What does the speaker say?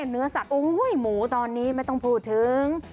เนื้อสัตว์หมูตอนนี้ไม่ต้องพูดถึง